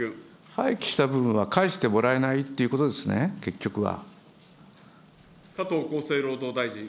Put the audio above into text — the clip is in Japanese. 廃棄した分は返してもらえないということですね、結局は。